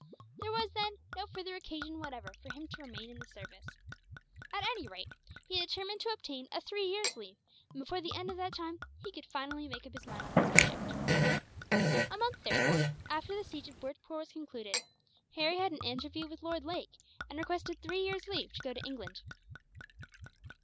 There was, then, no further occasion whatever for him to remain in the service. At any rate, he determined to obtain a three years' leave; and before the end of that time, he could finally make up his mind on the subject. A month, therefore, after the siege of Bhurtpoor was concluded, Harry had an interview with Lord Lake, and requested three years' leave to go to England.